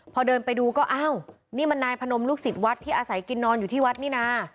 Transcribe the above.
พอเดินไปดูก็อ้าวนี่มันนายพนมลูกศิษย์วัดที่อาศัยกินนอนอยู่ที่วัดนี่นะ